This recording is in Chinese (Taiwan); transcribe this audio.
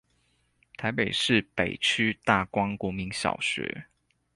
臺南市北區大光國民小學